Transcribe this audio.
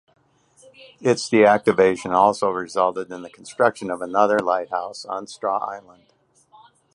Its deactivation also resulted in the construction of another lighthouse on Straw Island.